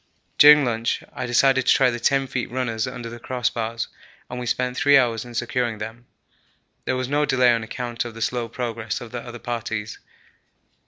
During lunch I decided to try the 10 feet runners under the crossbars and we spent three hours in securing them. There was no delay on account of the slow progress of the other parties.